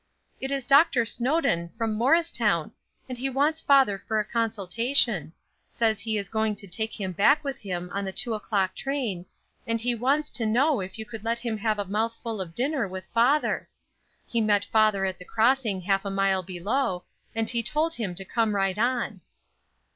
"It is Dr. Snowdon, from Morristown, and he wants father for a consultation; says he is going to take him back with him on the two o'clock train, and he wants to know if you could let him have a mouthful of dinner with father? He met father at the crossing half a mile below, and he told him to come right on."